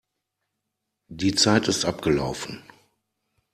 Die Zeit ist abgelaufen.